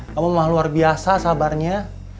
kamu mah luar biasa sabarnya